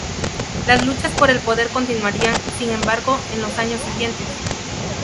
Las luchas por el poder continuarían, sin embargo, en los años siguientes.